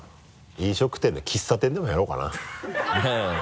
飲食店喫茶店でもやろうかな。